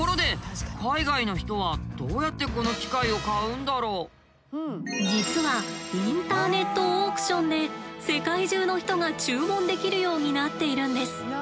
ところで実はインターネットオークションで世界中の人が注文できるようになっているんです。